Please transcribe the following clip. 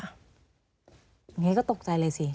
อย่างนี้ก็ตกใจเลยสิ